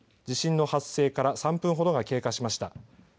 地震の発生から３分ほどが経過しました。